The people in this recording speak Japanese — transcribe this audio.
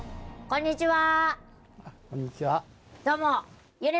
こんにちは。